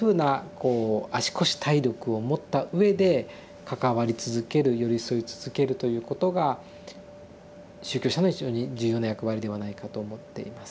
こう足腰体力を持ったうえで関わり続ける寄り添い続けるということが宗教者の非常に重要な役割ではないかと思っています。